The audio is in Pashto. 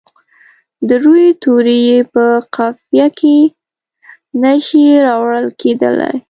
د روي توري یې په قافیه کې نه شي راوړل کیدلای.